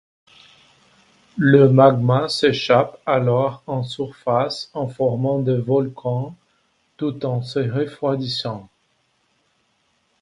Le magma s'échappe alors en surface en formant des volcans tout en se refroidissant.